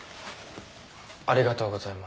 ありがとうございます。